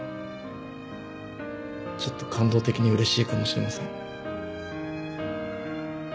ちょっと感動的にうれしいかもしれません。